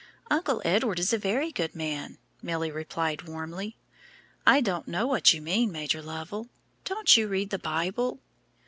"Uncle Edward is a very good man," Milly replied, warmly. "I don't know what you mean, Major Lovell; don't you read the Bible?"